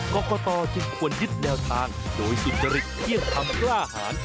กรกตจึงควรยึดแนวทางโดยสุจริตเที่ยงธรรมกล้าหาร